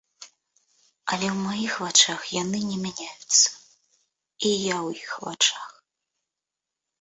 Але ў маіх вачах яны не мяняюцца, і я ў іх вачах.